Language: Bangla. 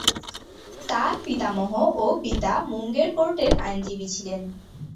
তার পিতামহ ও পিতা মুঙ্গের কোর্টের আইনজীবী ছিলেন।